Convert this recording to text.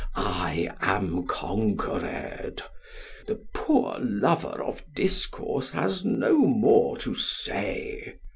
I am conquered; the poor lover of discourse has no more to say.